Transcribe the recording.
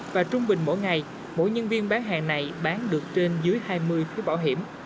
và trung bình mỗi ngày mỗi nhân viên bán hàng này bán được trên dưới hai mươi phiếu bảo hiểm